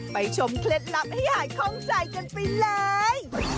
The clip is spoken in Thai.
ชมเคล็ดลับให้หายคล่องใจกันไปเลย